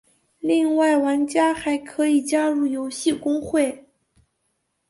另外玩家还可以加入游戏公会。